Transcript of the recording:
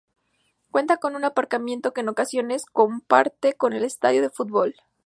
Cuenta con un aparcamiento que en ocasiones comparte con el estadio de fútbol.